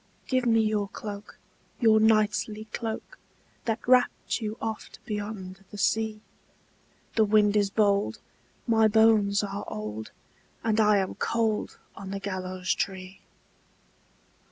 "Give me your cloak, your knightly cloak, That wrapped you oft beyond the sea; The wind is bold, my bones are old, And I am cold on the gallows tree."